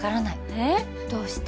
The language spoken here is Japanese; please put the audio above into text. えっどうして？